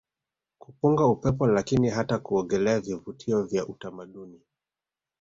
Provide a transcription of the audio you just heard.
kupunga upepo lakini hata kuogelea Vivutio vya utamaduni